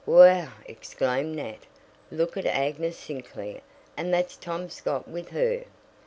"Whew!" exclaimed Nat. "Look at Agnes Sinclair and that's Tom Scott with her."